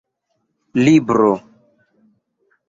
libro